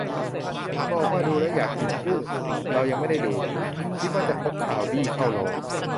บอกว่า ดูแล้วอยากกินกุ้ง ! เรายังไม่ได้ดู - คิดว่าจะพกคาลบี้เข้าโรง